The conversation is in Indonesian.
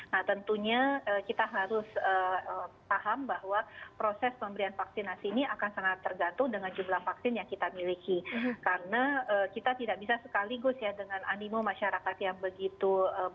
nah tentunya kita harus paham bahwa proses pemberian vaksinasi ini akan sangat tergantung dengan jumlah vaksin yang kita miliki karena kita tidak bisa sekaligus ya dengan animo masyarakat yang begitu banyak